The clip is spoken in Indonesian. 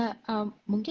secara pribadi dan mungkin